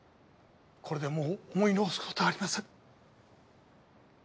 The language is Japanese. これでもう思い残すことはありません。